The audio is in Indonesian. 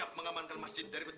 tidak ada yang berhenti